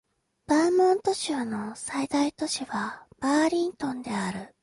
バーモント州の最大都市はバーリントンである